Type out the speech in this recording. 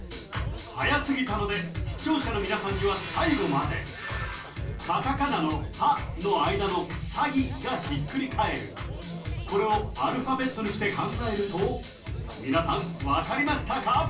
はやすぎたので視聴者の皆さんには最後までカタカナの「ハ」の間の「サギ」がひっくり返るこれをアルファベットにして考えると皆さん分かりましたか？